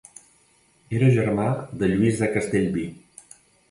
Era germà de Lluís de Castellví.